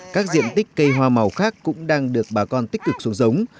các diện tích cây hoa màu khác cũng đang được bà con tích cực xuống giống